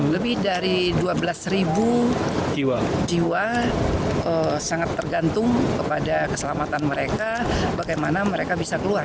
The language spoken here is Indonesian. lebih dari dua belas ribu jiwa sangat tergantung kepada keselamatan mereka bagaimana mereka bisa keluar